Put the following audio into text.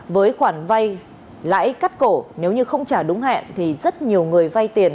với khoản vay lãi cắt cổ nếu như không trả đúng hẹn thì rất nhiều người vay tiền